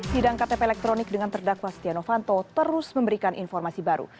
sidang ktp elektronik dengan terdakwa stiano fanto terus memberikan informasi baru